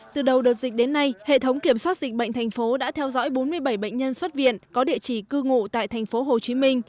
từ đầu đợt dịch đến nay hệ thống kiểm soát dịch bệnh thành phố đã theo dõi bốn mươi bảy bệnh nhân xuất viện có địa chỉ cư ngụ tại tp hcm